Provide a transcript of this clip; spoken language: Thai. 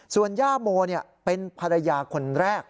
ส่วนย่าโมเป็นภรรยาคนแรก